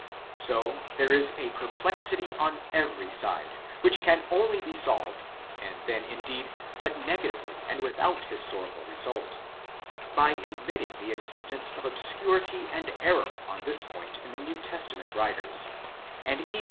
So that there is perplexity on every side, which can be solved only (and then, indeed, but negatively and without historical result) by admitting the existence of obscurity and error on this point in the New Testament writers, and even.